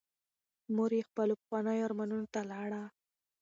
مور یې خپلو پخوانیو ارمانونو ته لاړه.